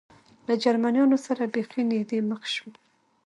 له جرمنیانو سره بېخي نږدې مخ شو.